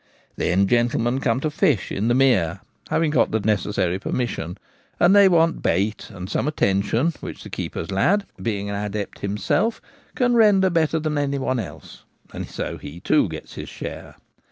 Then gentlemen come to fish in the mere, having got the necessary permission, and they want bait and some attention, which the keeper's lad, being an adept himself, can render better than any one else ; and so he too gets his share.